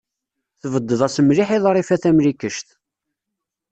Tbeddeḍ-as mliḥ i Ḍrifa Tamlikect.